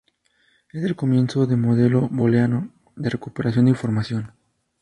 Es el comienzo del modelo booleano de recuperación de información.